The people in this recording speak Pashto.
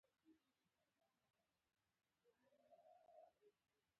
د افغانستان ځینو سیمو کې بیا د پیشو د عادت مانا لري.